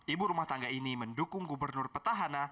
ibu rumah tangga ini mendukung gubernur petahana